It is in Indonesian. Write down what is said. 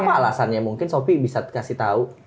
apa alasannya mungkin sofi bisa kasih tau